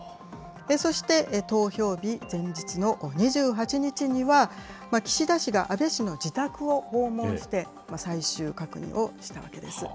そして、投票日前日の２８日には、岸田氏が安倍氏の自宅を訪問して、最終確認をしたわけです。